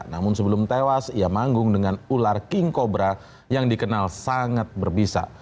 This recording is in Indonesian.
namun sebelum tewas ia manggung dengan ular king cobra yang dikenal sangat berbisa